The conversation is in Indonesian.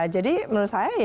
jadi menurut saya